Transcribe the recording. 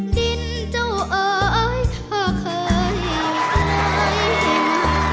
ดินเจ้าเอ่ยเธอเคยอาย